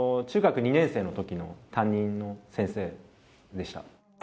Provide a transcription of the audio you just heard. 中学２年生のときの担任の先生でした。